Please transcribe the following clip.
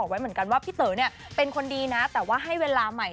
ฮุลักษณ์ว่าพี่เต๋อเป็นคนดีแต่แบบให้เวลาใหม่